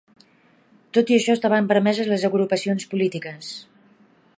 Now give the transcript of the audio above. Tot i això estaven permeses les agrupacions polítiques.